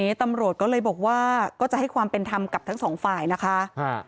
ตำรวจก็เลยบอกว่าก็จะให้ความเป็นธรรมกับทั้งสองฝ่ายนะคะ